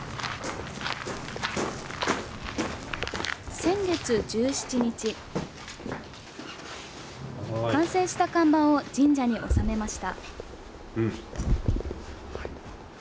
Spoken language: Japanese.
先月１７日完成した看板を神社に納めました。